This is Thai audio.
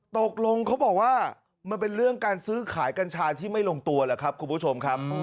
ตกลงเขาบอกว่ามันเป็นเรื่องการซื้อขายกัญชาที่ไม่ลงตัวหรือครับคุณผู้ชมครับ